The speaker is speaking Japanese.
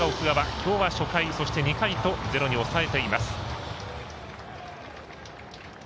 きょうは初回、そして２回とゼロに抑えています。